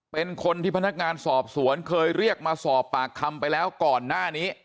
เป็นคนที่พนักงานสอบสวนเคยเรียกมาสอบปากคำไปแล้วก่อนหน้านี้